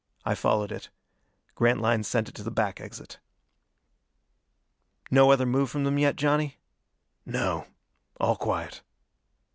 I followed it. Grantline sent it to the back exit. "No other move from them yet, Johnny?" "No. All quiet."